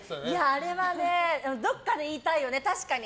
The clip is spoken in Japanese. あれはねどこかで言いたいよね、確かに。